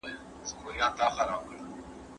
زه نه پوهېږم چې کومه فیچر غوره کړم.